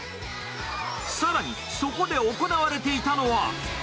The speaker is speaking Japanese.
さらに、そこで行われていたのは。